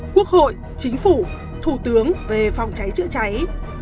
quốc hội chính phủ thủ tướng về phòng cháy chữa cháy